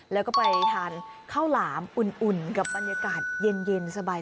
แล้วก็ไปทานข้าวหลามอุ่นกับบรรยากาศเย็นสบาย